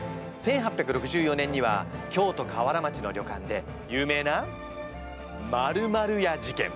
１８６４年には京都河原町の旅館で有名な○○屋事件。